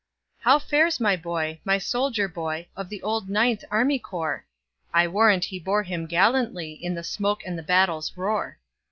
"How fares my boy,—my soldier boy, Of the old Ninth Army Corps?I warrant he bore him gallantlyIn the smoke and the battle's roar!"